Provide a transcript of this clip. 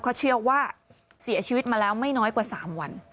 เขาเชื่อว่าเสียชีวิตมาแล้วไม่น้อยกว่า๓วัน